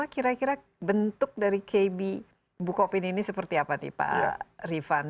dua ribu dua puluh lima kira kira bentuk dari kb bukopin ini seperti apa nih pak rifan